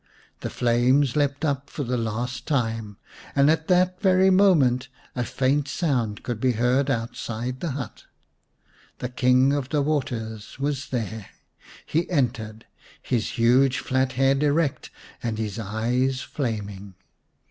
The flames leapt up for the last time, and at that very moment a faint sound could be heard outside the hut. The King of the Waters was there. He entered, his huge flat head erect and his eyes flaming.